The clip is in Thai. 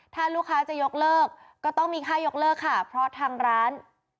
ถ้าลูกค้าจะยกเลิกก็ต้องมีค่ายกเลิกค่ะเพราะทางร้าน